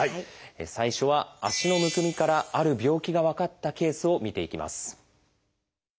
最初は足のむくみからある病気が分かったケースを見ていきます。